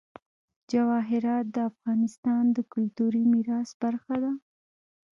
جواهرات د افغانستان د کلتوري میراث برخه ده.